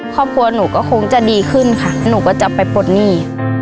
ครอบครัวหนูก็คงจะดีขึ้นค่ะหนูก็จะไปปลดหนี้